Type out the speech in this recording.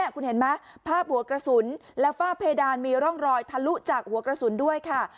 คุณเห็นไหมภาพหัวกระสุนและฝ้าเพดานมีร่องรอยทะลุจากหัวกระสุนด้วยค่ะ